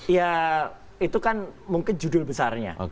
ya itu kan mungkin judul besarnya